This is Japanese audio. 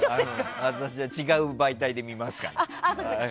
私は違う媒体で見ますから。